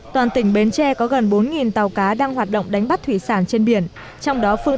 toàn tỉnh bến tre có gần bốn tàu cá đang hoạt động đánh bắt thủy sản trên biển trong đó phương